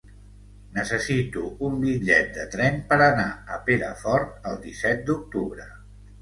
Necessito un bitllet de tren per anar a Perafort el disset d'octubre.